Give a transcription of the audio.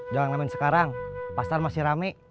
jalan lamin sekarang pasar masih rame